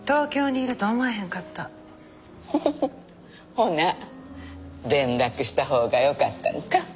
ほな連絡したほうがよかったんか？